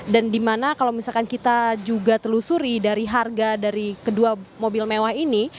dan di mana kalau misalkan kita juga telusuri dari harga dari kedua mobil mewah ini